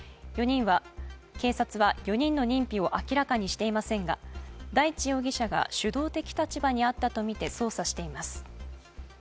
警察は４人の認否を明らかにしていませんが大地容疑者が主導的立場にあったとみて捜査しています。